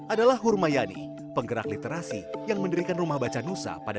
adalah hurmayani penggerak literasi yang mendirikan rumah baca nusa pada dua ribu dua belas